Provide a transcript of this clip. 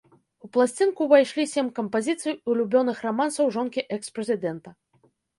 У пласцінку ўвайшлі сем кампазіцый, улюбёных рамансаў жонкі экс-прэзідэнта.